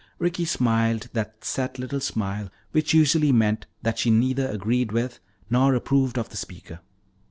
Ricky smiled, that set little smile which usually meant that she neither agreed with nor approved of the speaker.